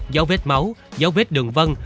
dấu vết máu dấu vết đường vân